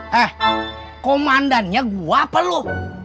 hah komandannya gue apa loh